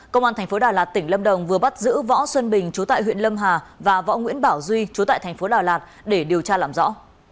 công an thành phố đà lạt tỉnh lâm đồng vừa bắt giữ võ xuân bình chú tại huyện lâm hà và võ nguyễn bảo duy chú tại thành phố đà lạt để điều tra làm rõ